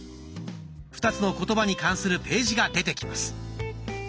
２つの言葉に関するページが出てきます。